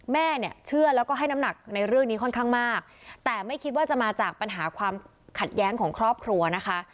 แม่เนี่ยเชื่อแล้วก็ให้น้ำหนักในเรื่องนี้ค่อนข้างมากแต่ไม่คิดว่าจะมาจากปัญหาความขัดแย้งของครอบครัวนะคะ